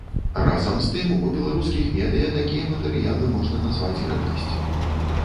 Разам з тым, у беларускіх медыя такія матэрыялы можна назваць рэдкасцю.